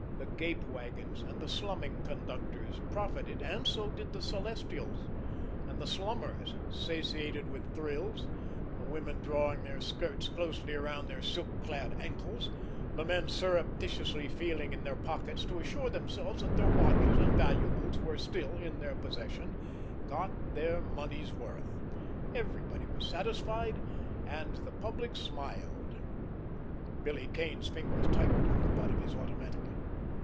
The gape wagons and the slumming conductors profited and so did the Celestials; and the slummers, satiated with thrills, the women drawing their skirts closely around their silk clad ankles, the men surreptitiously feeling in their pockets to assure themselves that their watches and valuables were still in their possession, got their money's worth. Everybody was satisfied, and the public smiled. Billy Kane's fingers tightened on the butt of his automatic.